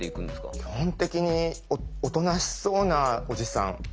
基本的におとなしそうなおじさん。